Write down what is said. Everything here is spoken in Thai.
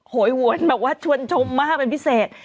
โหยหวนแบบว่าชวนชมมากเป็นพิเศษ